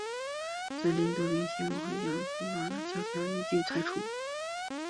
毗邻的多明我会圣伯多禄堂最近已经拆除。